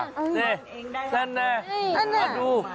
นี่นั่นแหละมาดู